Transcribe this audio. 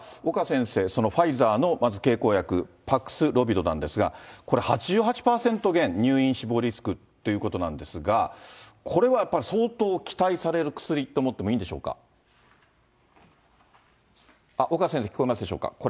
岡先生、そのファイザーのまず経口薬、パクスロビドなんですが、これ、８８パーセント減、入院、死亡リスクっていうことなんですが、これはやっぱ、相当期待される薬と思ってもいいんでしょうか。